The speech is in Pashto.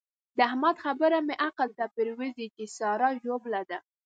د احمد خبره مې عقل ته پرېوزي چې سارا ژوبله ده.